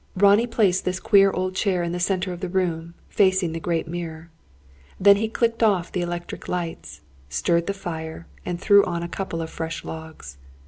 Ronnie placed this queer old chair in the centre of the room, facing the great mirror. Then he clicked off the electric lights, stirred the fire, and threw on a couple of fresh logs.